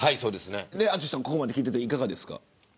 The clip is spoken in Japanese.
淳さん、ここまで聞いていかがですか。